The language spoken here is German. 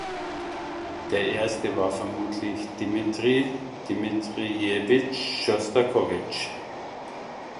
Der erste war vermutlich Dmitri Dmitrijewitsch Schostakowitsch.